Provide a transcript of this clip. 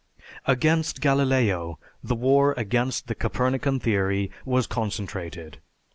Against Galileo, the war against the Copernican theory was concentrated.